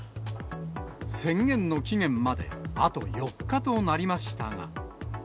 宣言の期限まであと４日となりましたが。